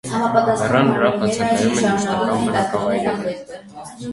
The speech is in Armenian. Լեռան վրա բացակայում են մշտական բնակավայրերը։